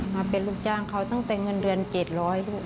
มาเป็นลูกจ้างเขาตั้งแต่เงินเดือน๗๐๐ลูก